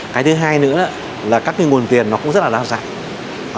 cái thứ hai nữa là các nguồn tiền nó cũng rất là đa dạng